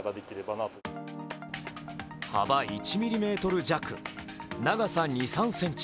幅１ｍｍ弱、長さ２３ｃｍ。